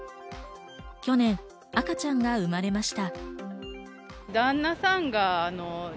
去年、赤ちゃんが生まれました。